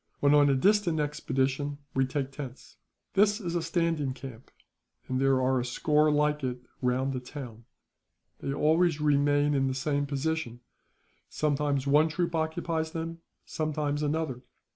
When on a distant expedition, we take tents. "This is a standing camp, and there are a score like it round the town. They always remain in the same position; sometimes one troop occupies them, sometimes another.